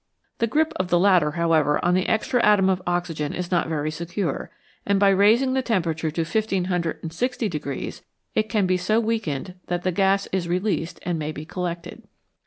The grip of the latter, however, on the extra atom of oxygen is not very secure, and by raising the temperature to 1560 it can be so weakened that the gas is released and may be collected.